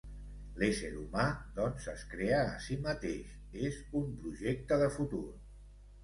L'ésser humà, doncs, es crea a si mateix, és un projecte de futur.